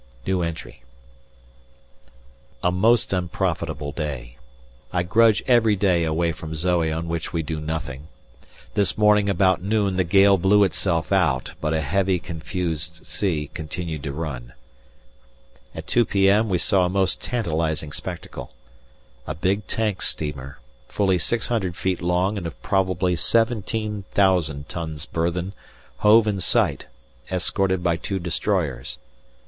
A most unprofitable day. I grudge every day away from Zoe on which we do nothing. This morning about noon the gale blew itself out, but a heavy confused sea continued to run. At 2 p.m. we saw a most tantalizing spectacle. A big tank steamer, fully 600 feet long and of probably 17,000 tons burthen hove in sight, escorted by two destroyers.